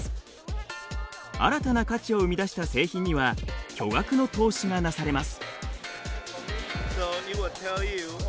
新たな価値を生み出した製品には巨額の投資がなされます。